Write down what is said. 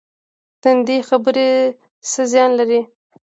تندې خبرې څه زیان لري؟